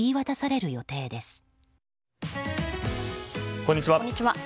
こんにちは。